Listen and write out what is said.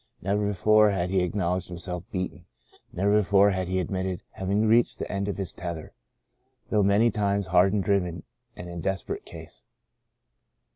Never before had he acknowledged himself beaten ; never be fore had he admitted having reached the end of his tether, though many times hard driven and in desperate case.